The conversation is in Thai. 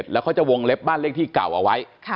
แล้วเขาจะวงเล็บบ้านเลขที่เก่าเอาไว้